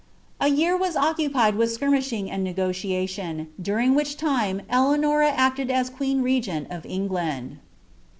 A year was occupied with skirmishing and negotiation, during which time Eleanora acted as queen regent in England.